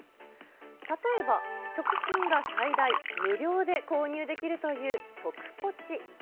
例えば食品が最大無料で購入できるというトクポチ。